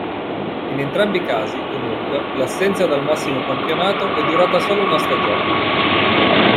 In entrambi i casi, comunque, l'assenza dal massimo campionato è durata solo una stagione.